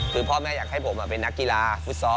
คือพ่อแม่อยากให้ผมเป็นนักกีฬาฟุตซอล